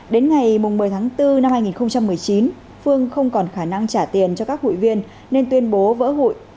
đến ngày một mươi tháng bốn năm hai nghìn một mươi chín phương không còn khả năng trả tiền cho các hụi viên nên tuyên bố vỡ hụi